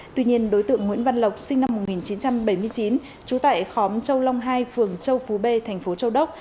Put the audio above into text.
tuy nhiên đối tượng nguyễn văn lộc sinh năm một nghìn chín trăm bảy mươi chín trú tại khóm châu long hai phường châu phú b thành phố châu đốc